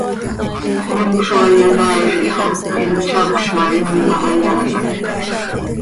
Honc zo hayonaaizil xo hin tzacöz ma, himo hayaalajc.